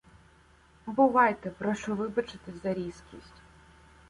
— Бувайте! Прошу вибачити за різкість.